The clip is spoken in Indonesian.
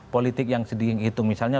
politik yang sedikit itu misalnya